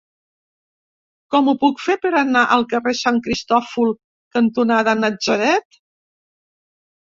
Com ho puc fer per anar al carrer Sant Cristòfol cantonada Natzaret?